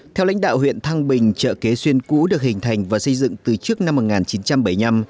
theo lãnh đạo huyện thăng bình chợ kế xuyên cũ được hình thành và xây dựng từ trước năm một nghìn chín trăm bảy mươi năm